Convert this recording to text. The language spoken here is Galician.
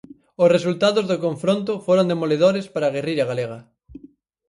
Os resultados do confronto foron demoledores para a guerrilla galega.